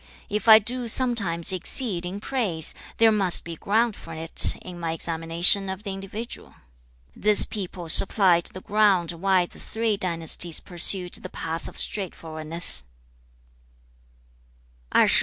If I do sometimes exceed in praise, there must be ground for it in my examination of the individual. 2. 'This people supplied the ground why the three dynasties pursued the path of straightforwardness.'